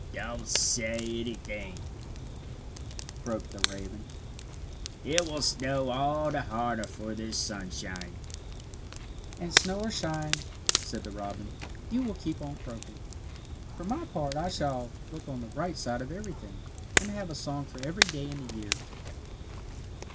"Don't say anything," croaked the raven. "It will snow all the harder for this sunshine." "And snow or shine," said the robin, "you will keep on croaking. For my part, I shall look on the bright side of everything, and have a song for every day in the year."